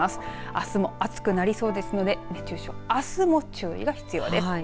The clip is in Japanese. あすも暑くなりそうですので熱中症あすも注意が必要です。